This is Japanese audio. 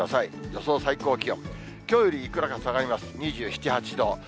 予想最高気温、きょうよりいくらか下がります。